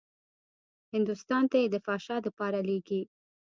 هندوستان ته يې د فحشا دپاره لېږي.